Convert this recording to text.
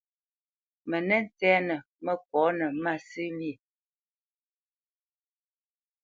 Mə nə́ ntsɛ́ məkónə masə̂ lí.